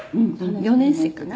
「４年生かな？